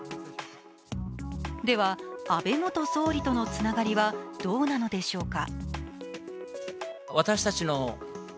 では、安倍元総理とのつながりはどうなのでしょうか？